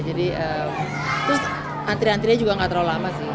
jadi terus antri antri nya juga gak terlalu lama sih